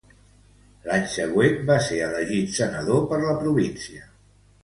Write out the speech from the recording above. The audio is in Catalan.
L'any següent, va ser elegit senador per la província.